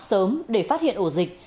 sớm để phát hiện ổ dịch